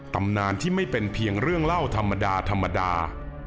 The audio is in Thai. ตำนานที่ไม่เป็นเพียงเรื่องเล่าธรรมดาธรรมดา